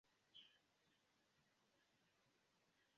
La kostumoj estas plene de riĉaj koloroj.